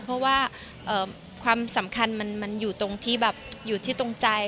เพราะว่าความสำคัญมันอยู่ตรงที่แบบอยู่ที่ตรงใจ